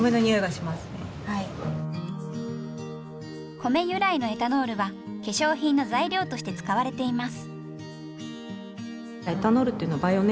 米由来のエタノールは化粧品の材料として使われています。